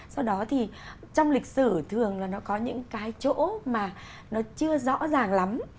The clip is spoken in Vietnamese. sau đó thì trong lịch sử thường là nó có những cái chỗ mà nó chưa rõ ràng lắm